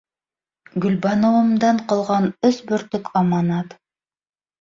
Гөлбаныуымдан ҡалған өс бөртөк аманат...